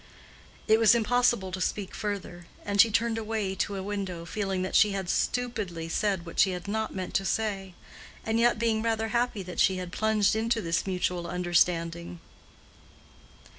It was impossible to speak further; and she turned away to a window, feeling that she had stupidly said what she had not meant to say, and yet being rather happy that she had plunged into this mutual understanding.